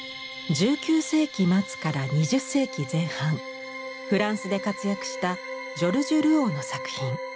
１９世紀末から２０世紀前半フランスで活躍したジョルジュ・ルオーの作品。